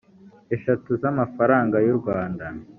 eshatu z amafaranga y u rwanda